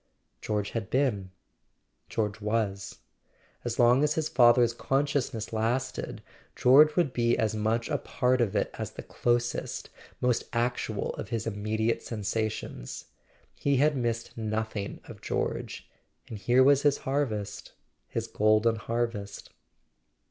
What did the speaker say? George had been; George was; as long as his father's consciousness lasted, George would be as much a part of it as the closest, most ac¬ tual of his immediate sensations. He had missed noth [ 423 ] A SON AT THE FRONT ing of George, and here was his harvest, his golden harvest.